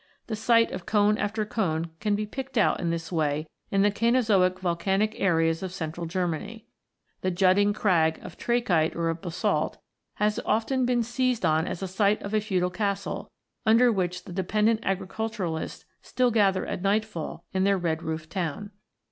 The site of cone after cone can be picked out in this way in the Cainozoic volcanic areas of central Germany. The jutting crag of trachyte or of basalt has often been seized on as the site of a feudal castle, under which the dependent agriculturists still gather at nightfall in their red roofed town.